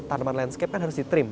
tanaman landscape kan harus di tream